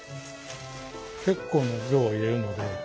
結構な量を入れるので。